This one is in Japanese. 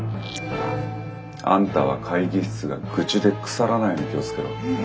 あんたは会議室が愚痴で腐らないように気を付けろ」。